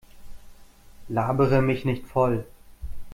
Labere mich nicht voll!